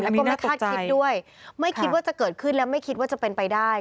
แล้วก็ไม่คาดคิดด้วยไม่คิดว่าจะเกิดขึ้นและไม่คิดว่าจะเป็นไปได้